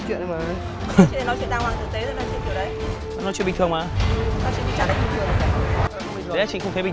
em đang nói chuyện này mà